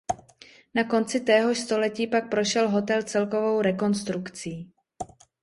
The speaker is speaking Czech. Na konci téhož století pak prošel hotel celkovou rekonstrukcí.